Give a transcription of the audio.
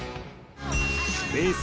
ベース